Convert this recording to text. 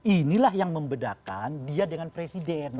inilah yang membedakan dia dengan presiden